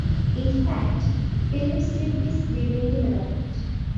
In fact, Philips did this during development.